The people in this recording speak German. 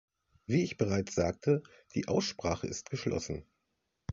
Wie ich bereits sagte, die Aussprache ist geschlossen.